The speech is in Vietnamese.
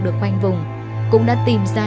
được quanh vùng cũng đã tìm ra